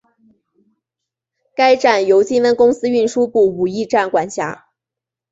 该站由金温公司运输部武义站管辖。